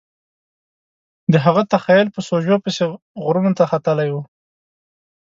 د هغه تخیل په سوژو پسې غرونو ته ختلی و